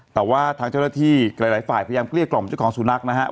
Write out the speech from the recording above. แต่ว่าทางเจ้าหน้าที่หลายฝ่ายพยายามเกลี้ยกล่อมเจ้าของสุนัขนะฮะ